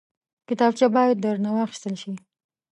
کتابچه باید درنه واخیستل شي